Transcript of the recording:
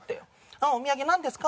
あっお土産なんですか？